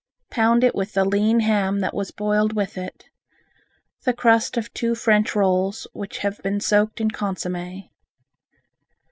Pound it with the lean ham that was boiled with it, the crust of two French rolls which has been soaked in consomme.